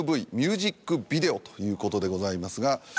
ミュージックビデオということでございますが。